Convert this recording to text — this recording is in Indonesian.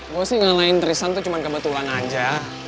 gue sih ngelain tristan tuh cuma kebetulan aja